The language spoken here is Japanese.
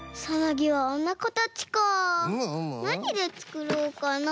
なにでつくろうかな？